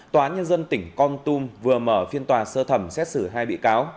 tòa nhân dân tỉnh con tum vừa mở phiên tòa sơ thẩm xét xử hai bị cáo